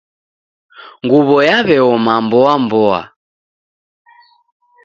Nguw'o yaw'eoma mboa mboa.